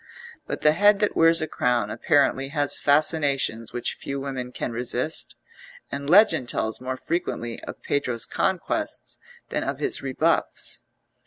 But the head that wears a crown apparently has fascinations which few women can resist, and legend tells more frequently of Pedro's conquests than of his rebuffs.